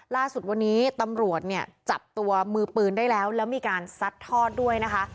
ล่าสุดวันนี้ตำรวจเนี่ยจับตัวมือปืนได้แล้วแล้วมีการซัดทอดด้วยนะคะ